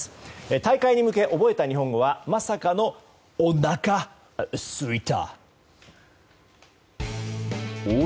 大会に向け覚えた日本語はまさかのオナカスイタ。